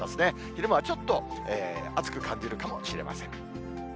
昼間はちょっと暑く感じるかもしれません。